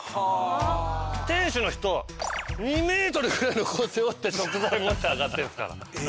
店主の人２ｍぐらいの背負って食材持って上がってんすから。